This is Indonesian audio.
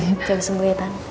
jangan sembuh ya tante